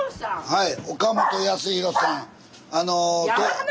はい。